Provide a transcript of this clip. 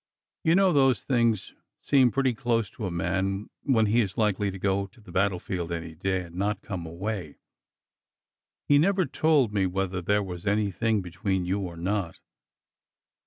You know those things seem pretty close to a man when he is likely to go to the battle field any day and not come away. He never told me whether there was any thing between you or not.